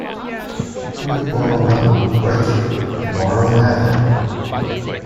We'd borrow one, break it, then borrow another.